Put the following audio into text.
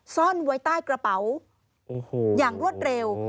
ซ่อนไว้ใต้กระเป๋าอย่างรวดเร็ว